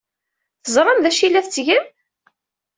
Teẓram d acu ay la tettgem?